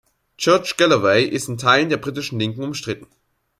George Galloway ist in Teilen der britischen Linken umstritten.